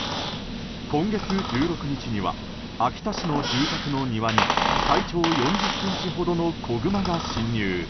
今月１６日には秋田市の住宅の庭に体長４０ｃｍほどの子グマが侵入。